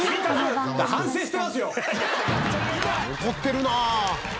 「怒ってるなあ」